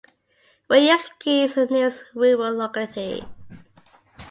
Rayevsky is the nearest rural locality.